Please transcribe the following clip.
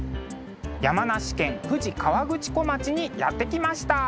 山梨県富士河口湖町にやって来ました。